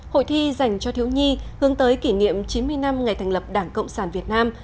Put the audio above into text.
hội thi dành cho thiếu nhi hướng tới kỷ niệm chín mươi năm ngày thành lập đảng cộng sản việt nam